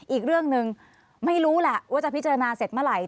อีกเรื่องหนึ่งไม่รู้แหละว่าจะพิจารณาเสร็จเมื่อไหร่